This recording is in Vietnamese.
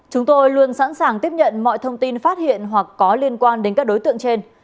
chúng tôi luôn sẵn sàng tiếp nhận mọi thông tin phát hiện hoặc có liên quan đến các đối tượng trên